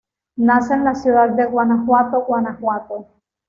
Nace en la Ciudad de Guanajuato, Guanajuato.